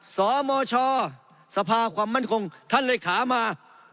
สมชสภาความมั่นคงท่านเลขามา